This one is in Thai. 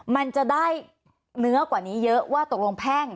มันจะได้เนื้อกว่านี้เยอะว่าตกลงแพ่ง